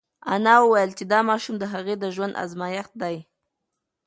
انا وویل چې دا ماشوم د هغې د ژوند ازمېښت دی.